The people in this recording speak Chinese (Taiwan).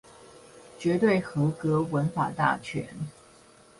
絕對合格文法大全